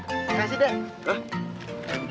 apaan sih glenn